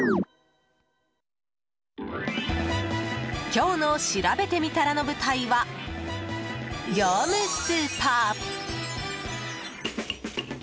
今日のしらべてみたらの舞台は業務スーパー。